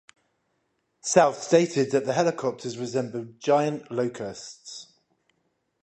South stated that the helicopters resembled giant locusts.